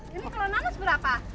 ini kalau nanas berapa